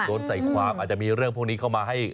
โดนใส่ความอาจจะมีเรื่องพวกนี้เข้ามาให้